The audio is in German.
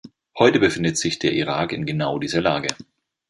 Heute befindet sich der Irak in genau dieser Lage.